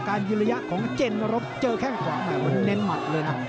การยืนระยะของเจนรบเจอแค่ขวางเน้นหมดเลยนะ